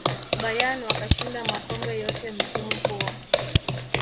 bayern wakashinda makombe yote msimu huo